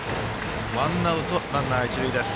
ワンアウト、ランナー、一塁です。